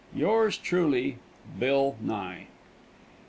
Yours truly, BILL NYE.